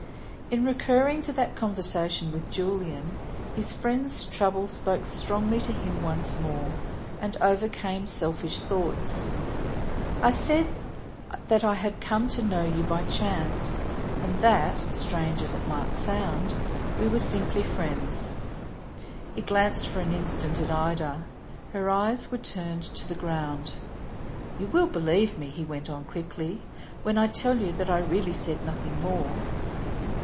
In recurring to that conversation with Julian, his friend's trouble spoke strongly to him once more, and overcame selfish thoughts. "I said that I had come to know you by chance, and that strange as it might sound we were simply friends." He glanced for an instant at Ida; her eyes were turned to the ground. "You will believe me," he went on quickly, "when I tell you that I really said nothing more?"